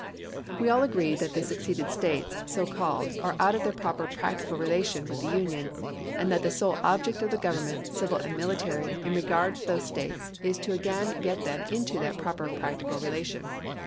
" We all agree that the seceded States, so called, are out of their proper practical relation with the Union, and that the sole object of the Gov ernment, civil and military, in regard to those States, is to again get them into that proper practical relation.